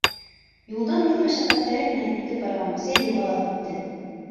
Юлдан үҙ мәшәҡәттәре менән китеп барған бесәй юрғалап үтте.